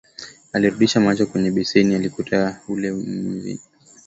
Alirudisha macho kwenye beseni akakuta ule mvinyo kenye beseni